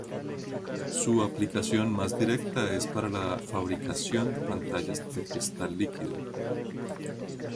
Su aplicación más directa es para la fabricación de pantallas de cristal líquido.